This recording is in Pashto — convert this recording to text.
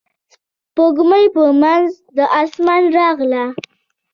سپوږمۍ په منځ د اسمان راغله.